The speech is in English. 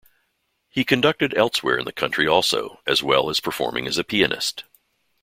He conducted elsewhere in the country also, as well as performing as a pianist.